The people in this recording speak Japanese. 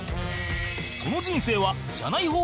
その人生はじゃない方